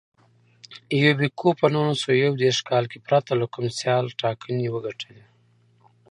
یوبیکو په نولس سوه یو دېرش کال کې پرته له کوم سیاله ټاکنې وګټلې.